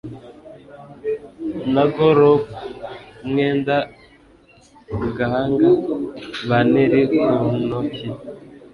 Na gallop umwenda ku gahanga banteri ku ntoki